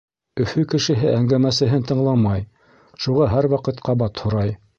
Өфө кешеһе әңгәмәсеһен тыңламай, шуға һәр ваҡыт ҡабат һорай.